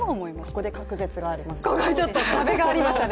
ここで隔絶がありますね。